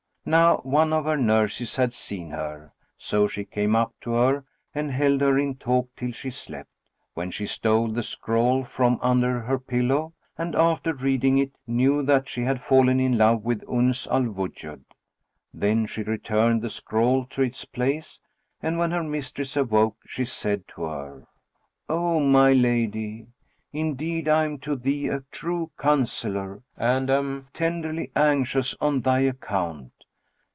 Now one of her nurses had seen her; so she came up to her and held her in talk till she slept, when she stole the scroll from under her pillow; and, after reading it, knew that she had fallen in love with Uns al Wujud. Then she returned the scroll to its place and when her mistress awoke, she said to her, "O my lady, indeed I am to thee a true counsellor and am tenderly anxious on thy account.